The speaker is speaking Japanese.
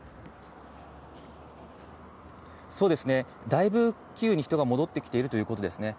だいぶキーウに人が戻ってきているということですね。